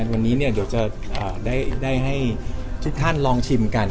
วันนี้เดี๋ยวจะได้ให้ทุกท่านลองชิมกัน